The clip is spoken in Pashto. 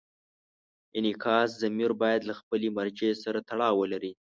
انعکاسي ضمیر باید له خپلې مرجع سره تړاو ولري.